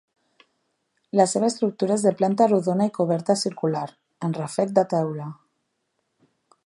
La seva estructura és de planta rodona i coberta circular, amb ràfec de teula.